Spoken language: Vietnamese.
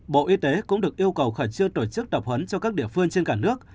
bộ y tế cũng được yêu cầu khẩn trương tổ chức tập huấn cho các địa phương trên cả nước